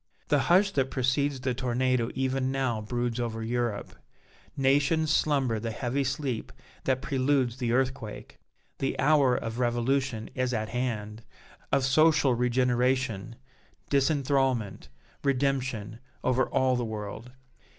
The hush that precedes the tornado even now broods over Europe; nations slumber the heavy sleep that preludes the earthquake. The hour of revolution is at hand of social regeneration, disenthrallment, redemption, over all the world.